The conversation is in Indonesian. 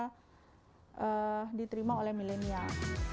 jadi kita bisa diterima oleh milenial